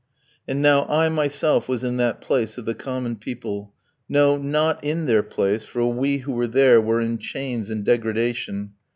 And now I myself was in that place of the common people, no, not in their place, for we who were there were in chains and degradation.